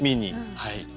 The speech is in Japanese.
はい。